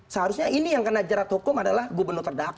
seharusnya ini yang kena jerat hukum adalah gubernur terdakwa